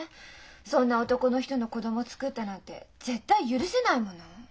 そんな男の人の子供つくったなんて絶対許せないもの。